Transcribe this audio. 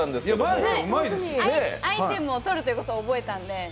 アイテムを取るということを覚えたんで。